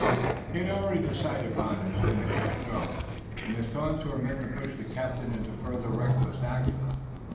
He had already decided upon his finishing stroke, and his taunts were meant to push the captain into further reckless action.